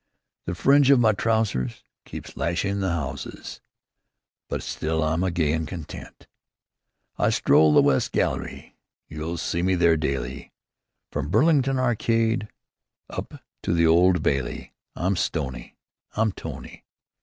The fringe of my trousers Keeps lashing the houses, But still I am gay and content. I stroll the West gayly, You'll see me there daily, From Burlington Arcade Up to the Old Bailey. I'm stony! I'm Tony!